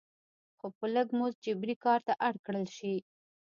څو په لږ مزد جبري کار ته اړ کړل شي.